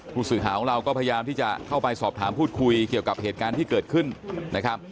ผู้สื่อข่าวของเราก็พยายามที่จะเข้าไปสอบถามพูดคุยเกี่ยวกับเหตุการณ์ที่เกิดขึ้นนะครับ